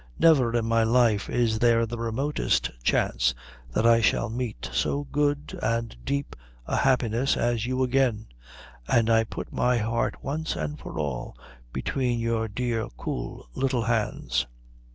Never in my life is there the remotest chance that I shall meet so good and deep a happiness as you again, and I put my heart once and for all between your dear cool little hands."